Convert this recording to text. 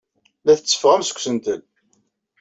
La tetteffɣem seg usentel.